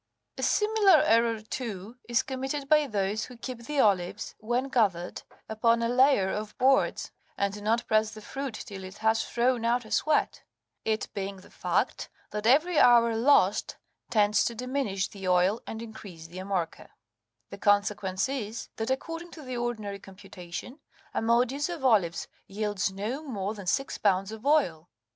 A similar error, too, is committed by those who keep the olives, when gathered, upon a layer of boards, and do not press the fruit till it has thrown out a sweat ; it being the fact that every hour lost tends to diminish the oil and increase the amurca : the consequence is, that, according to the ordi nary computation, a modius of olives yields no more than six pounds of oil.